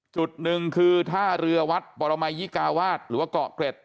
จุดหนึ่งคือท่าเรือวัดปรมัยยิกาวาสหรือว่าเกาะเกร็ด